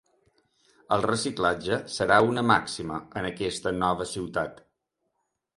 El reciclatge serà una màxima en aquesta nova ciutat.